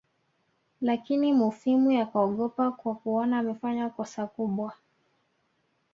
Lakini Mufwimi akaogopa kwa kuona amefanya kosa kubwa